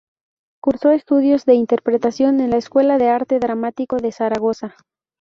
Cursó estudios de interpretación en la Escuela de Arte Dramático de Zaragoza.